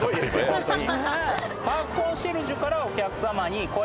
ホントに。